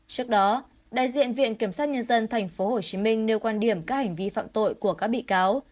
trước đó đại diện viện kiểm sát nhân dân tp hcm nêu quan điểm các hành vi phạm tội của các bị cáo